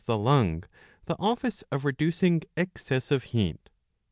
t ^y^^ the lung the office of reducing excess of heat.